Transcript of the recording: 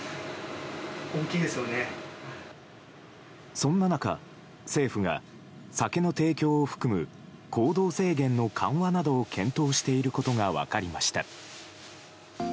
そんな中政府が酒の提供を含む行動制限の緩和などを検討していることが分かりました。